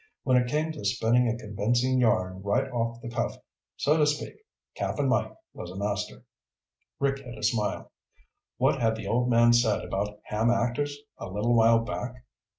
When it came to spinning a convincing yarn right off the cuff, so to speak, Cap'n Mike was a master. Rick hid a smile. What had the old man said about ham actors a little while back?